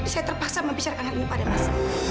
saya terpaksa membicarakan hal ini pada masa